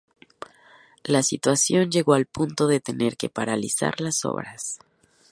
La situación llegó al punto de tener que paralizar las obras.